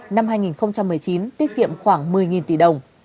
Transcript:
năm hai nghìn một mươi chín tiết kiệm khoảng một mươi tỷ đồng